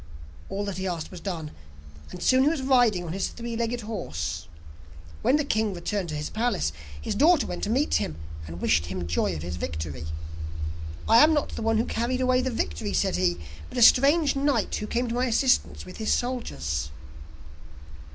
All that he asked was done, and soon he was riding on his three legged horse. When the king returned to his palace, his daughter went to meet him, and wished him joy of his victory. 'I am not the one who carried away the victory,' said he, 'but a strange knight who came to my assistance with his soldiers.